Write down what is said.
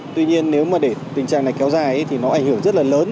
tuy nhiên nếu mà để tình trạng này kéo dài thì nó ảnh hưởng rất là lớn